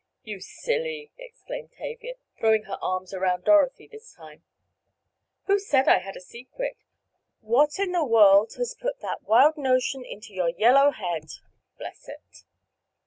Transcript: "You silly!" exclaimed Tavia, throwing her arms around Dorothy this time. "Who said I had a secret? What in the world has put that wild notion into your yellow head?—bless it!"